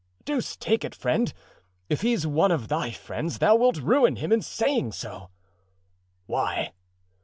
"Deuce take it, friend, if he's one of thy friends thou wilt ruin him in saying so." "Why?"